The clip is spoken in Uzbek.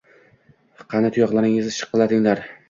Qani, tuyoqlaringni shiqillatinglar